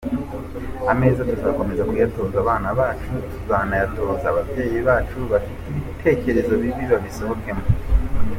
Ameza tuzakomeza kuyatoza barumuna bacu tuzanayatoza ababyeyi bacu bafite ibitekerezo bibi babisohokemo”.